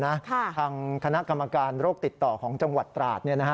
ทางคณะกรรมการโรคติดต่อของจังหวัดตราด